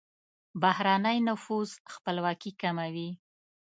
بهرنی نفوذ خپلواکي کموي.